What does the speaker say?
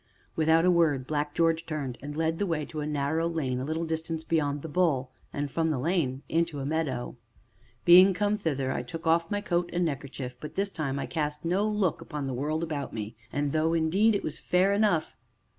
Without a word Black George turned and led the way to a narrow lane a little distance beyond "The Bull," and from the lane into a meadow. Being come thither, I took off my coat and neckerchief, but this time I cast no look upon the world about me, though indeed it was fair enough.